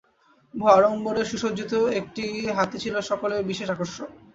বহু আড়ম্বরে সুসজ্জিত একটি হাতী ছিল সকলের বিশেষ আকর্ষণ।